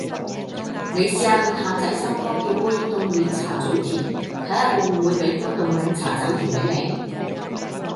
你試吓去譚仔三哥叫杯「凍鏈茶早田」睇吓佢會唔會俾杯凍檸茶走甜俾你